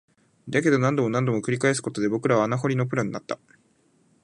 だけど、何度も何度も繰り返すことで、僕らは穴掘りのプロになった